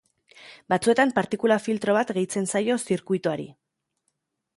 Batzuetan partikula-filtro bat gehitzen zaio zirkuituari.